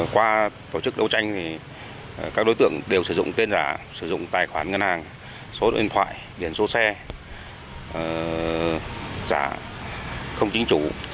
qua tổ chức đấu tranh thì các đối tượng đều sử dụng tên giả sử dụng tài khoản ngân hàng số điện thoại điện số xe giả không chính chủ